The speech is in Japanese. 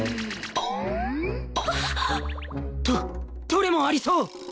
どどれもありそう！